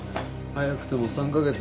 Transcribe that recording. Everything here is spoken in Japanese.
早くても３か月。